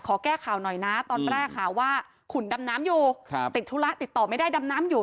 ขอแก้ข่าวหน่อยนะตอนแรกหาว่าขุนดำน้ำอยู่ติดธุระติดต่อไม่ได้ดำน้ำอยู่